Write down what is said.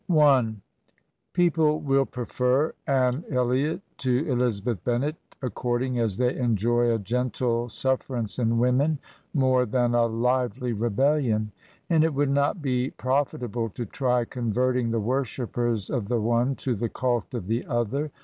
People will prefer Anne Elliot to Elizabeth Bennet ac cording as they enjoy a gentle suJBFerance in women more tha n a liyelvrebellionj and it would not be profit able to try converlmg the worshippers of the one to the cult of the other.